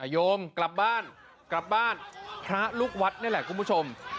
โยมกลับบ้านกลับบ้านพระลูกวัดนี่แหละคุณผู้ชม